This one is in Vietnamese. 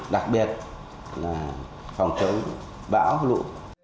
đặc biệt là phòng chống bão lụ